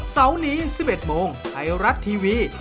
เสาร์นี้๑๑โมงไทยรัฐทีวี